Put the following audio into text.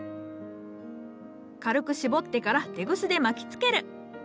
軽く絞ってからテグスで巻きつける。